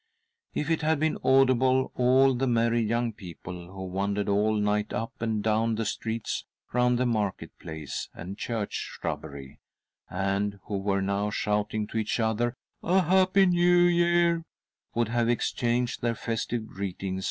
If it had been audible, all the merry young people who wandered all night up and down the streets round the . market place and church shrubbery, and who were now shouting to each other "A happy New Year," would have exchanged their festive greetings